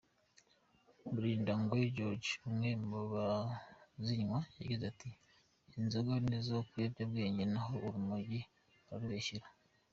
Murindangwe Georges umwe mu bazinywa yagize ati " Izi nzoga nizo biyobyabwenge naho urumogi bararubeshyera.